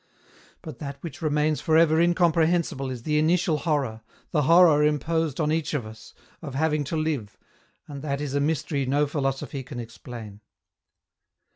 But that which remains for ever incomprehensible is the initial horror, the horror imposed on each of us, of having to live, and that is a mystery no philosophy can explain.